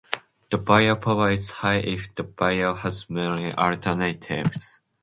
The buyer power is high if the buyer has many alternatives.